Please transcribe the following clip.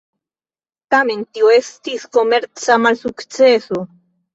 Tamen, tio estis komerca malsukceso.